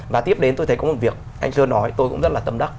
và tiếp đến tôi thấy có một việc anh sơn nói tôi cũng rất là tâm đắc